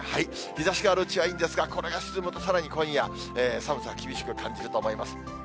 日ざしがあるうちはいいんですが、これが沈むとさらに今夜、寒さ厳しく感じると思います。